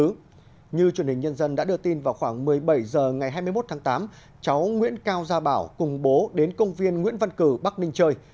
công an tỉnh bắc ninh đã đưa tin vào khoảng một mươi bảy h ngày hai mươi một tháng tám cháu nguyễn cao gia bảo cùng bố đến công viên nguyễn văn cử bắc ninh chơi